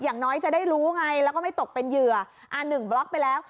อย่างน้อยจะได้รู้ไงแล้วก็ไม่ตกเป็นเหยื่ออ่าหนึ่งบล็อกไปแล้ว